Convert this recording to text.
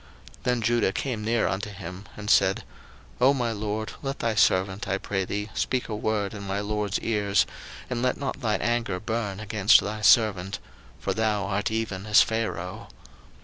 01:044:018 Then Judah came near unto him, and said, Oh my lord, let thy servant, I pray thee, speak a word in my lord's ears, and let not thine anger burn against thy servant: for thou art even as Pharaoh.